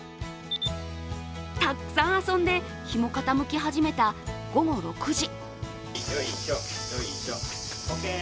たくさん遊んで日も傾き始めた午後６時。